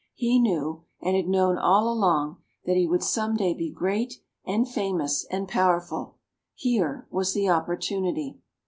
He knew, and had known all along, that he would some day be great and famous and powerful here was the opportunity.